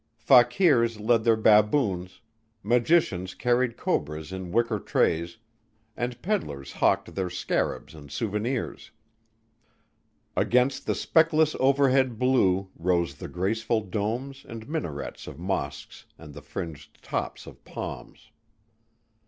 Fakirs led their baboons, magicians carried cobras in wicker trays, and peddlers hawked their scarabs and souvenirs. Against the speckless overhead blue, rose the graceful domes and minarets of mosques and the fringed tops of palms.